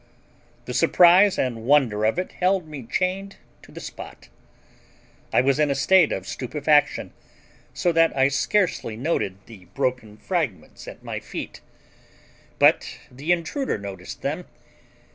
The surprise and wonder of it held me chained to the spot. I was in a state of stupefaction, so that I scarcely noted the broken fragments at my feet. But the intruder noticed them.